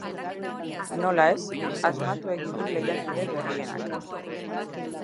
Nola ez, asmatu egin du lehiakide berrienak.